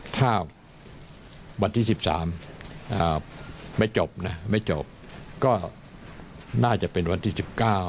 ถ้าวันที่๑๓ไม่จบนะไม่จบก็น่าจะเป็นวันที่๑๙